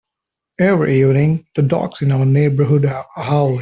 Every evening, the dogs in our neighbourhood are howling.